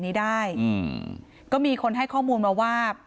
นี้ได้อืมก็มีคนให้ข้อมูลมาว่า